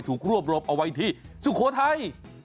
ถูกรวบรวมเอาไว้ที่สุโขทัย